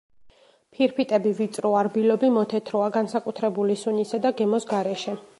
ფირფიტები ვიწროა, რბილობი მოთეთროა, განსაკუთრებული სუნისა და გემოს გარეშე.